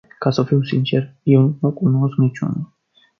Ca să fiu sincer, eu nu cunosc niciunul.